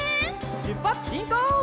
しゅっぱつしんこう！